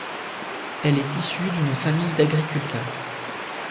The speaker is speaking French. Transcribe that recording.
Elle est issue d'une famille d'agriculteurs.